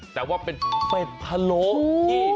แต่ว่าเป็นเป็ดพะโลที่